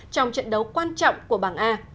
trong trận đấu quan trọng của bảng a